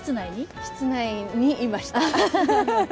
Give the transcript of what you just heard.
室内にいました。